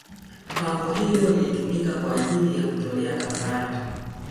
Pango hilo lilitumika kwa ajili ya kutolea kafara